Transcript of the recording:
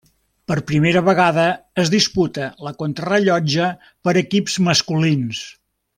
Per primera vegada es disputa la contrarellotge per equips masculins.